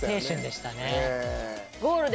でしたね。